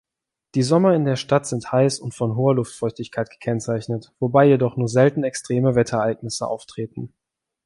Die Sommer in der Stadt sind heiß und von hoher Luftfeuchtigkeit gekennzeichnet, wobei jedoch nur selten extreme Wetterereignisse auftreten.